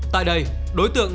tại đây đối tượng